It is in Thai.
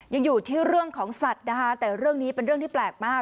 ยังอยู่ที่เรื่องของสัตว์นะคะแต่เรื่องนี้เป็นเรื่องที่แปลกมาก